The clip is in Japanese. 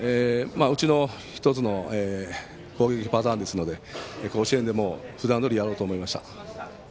うちの１つの攻撃パターンですので甲子園でも普段どおりやろうと思いました。